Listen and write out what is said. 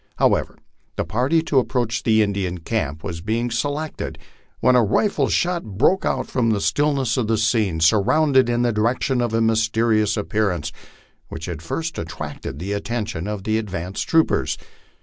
However, the party to ap proach the Indian camp was being selected when a rifle shot broke upon the stillness of the scene, sounding in the direction of the mysterious appearance which had first attracted the attention of the advanced troopers.